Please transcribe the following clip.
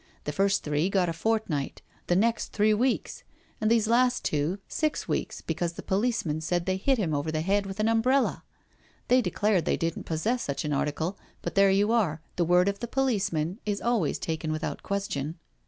The first three got a fortnight, the next three weeks, and these last two, six weeks, because the policeman said they hit him over the head with an umbrella. They declared they didn't possess such an article— but there you are, the word of the policeman is always taken without question.